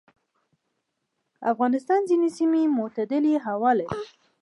افغانستان ځینې سیمې معتدلې هوا لري.